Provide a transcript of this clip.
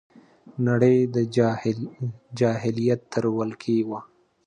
نړۍ د جاهلیت تر ولکې وه